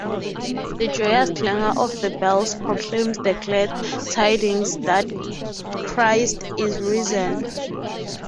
The joyous clangor of the bells proclaims the glad tidings that Christ is risen.